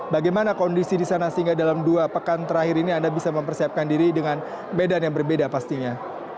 bagaimana kondisi di sana sehingga dalam dua pekan terakhir ini anda bisa mempersiapkan diri dengan medan yang berbeda pastinya